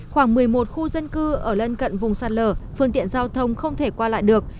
khoảng một mươi một khu dân cư ở lân cận vùng sạt lở phương tiện giao thông không thể qua lại được